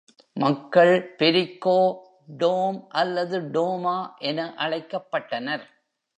மக்கள், பெரிக்கோ, டோம் அல்லது டோமா என அழைக்கப்பட்டனர்.